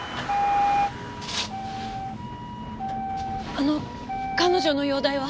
あの彼女の容体は。